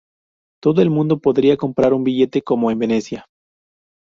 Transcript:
Todo el mundo podría comprar un billete, como en Venecia.